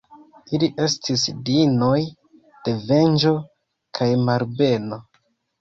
Ili estis diinoj de venĝo kaj malbeno.